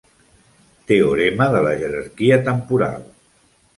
Teorema de la jerarquia temporal.